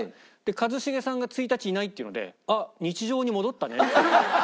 一茂さんが一日いないっていうので「あ！日常に戻ったね」っていう。